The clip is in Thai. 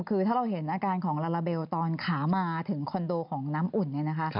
คือถ้าเราเห็นอาการของลาลาเบลตอนขามาถึงคอนโดของน้ำอุ่นเนี่ยนะคะ